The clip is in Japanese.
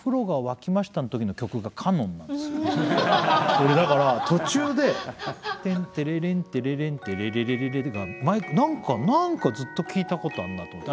俺だから途中で「テンテレレンテレレンテレレレレレ」が何か何かずっと聞いたことあんなと思って。